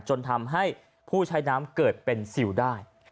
จนทำให้ผู้ใช้น้ำเกิดเป็นซิลได้